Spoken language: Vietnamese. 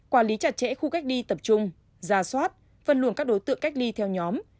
quản lý chặt chẽ khu cách ly tập trung ra soát phân luồng các đối tượng cách ly theo nhóm